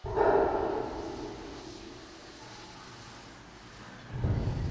奥勒济人口变化图示